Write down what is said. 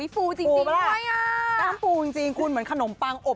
ฟูจริงด้วยน้ำปูจริงคุณเหมือนขนมปังอบ